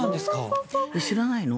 知らないの？